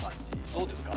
どうですか？